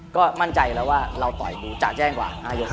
ก็มั่นใจแล้วว่าเราต่อยกว่าจะแย่กว่า๕ยก